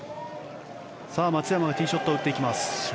松山がティーショットを打っていきます。